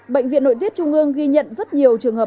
bệnh viện nội tiết trung ương ghi nhận rất nhiều trường hợp